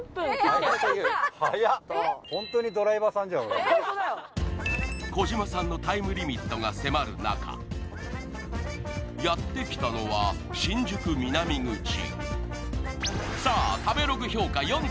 俺ホントだよ児嶋さんのタイムリミットが迫る中やってきたのは新宿南口さあ食べログ評価